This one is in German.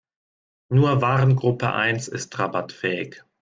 Nur Warengruppe eins ist rabattfähig.